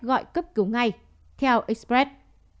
gọi cấp cứu ngay theo express